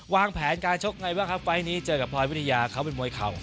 วางแผนการชกไงบ้างครับไฟล์นี้เจอกับพลอยวิทยาเขาเป็นมวยเข่า